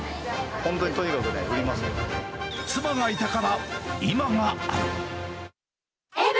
本当にとにかくね、妻がいたから今がある。